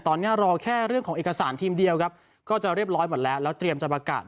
ตอนนี้รอแค่เรื่องของเอกสารทีมเดียวครับก็จะเรียบร้อยหมดแล้วแล้วเตรียมจะประกาศ